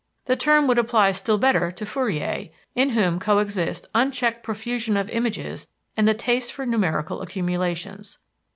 The term would apply still better to Fourier, in whom coexist unchecked profusion of images and the taste for numerical accumulations.